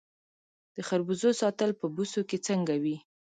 د خربوزو ساتل په بوسو کې څنګه وي؟